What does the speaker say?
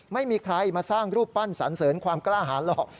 ไม่มีใครมาสร้างรูปปั้นสันเสริญความกล้าหารหรอก